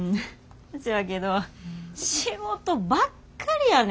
せやけど仕事ばっかりやねん